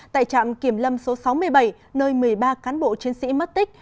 tại trạm kiểm lâm số sáu mươi bảy nơi một mươi ba cán bộ chiến sĩ mất tích